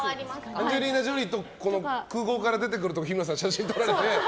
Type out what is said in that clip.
アンジェリーナ・ジョリーと空港から出てくるところ日村さんが写真撮られて。